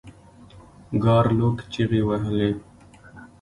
ګارلوک چیغې وهلې.